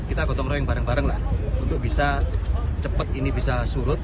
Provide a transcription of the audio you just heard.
kita gotong royong bareng bareng lah untuk bisa cepat ini bisa surut